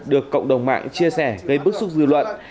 được cộng đồng mạng chia sẻ gây bức xúc dư luận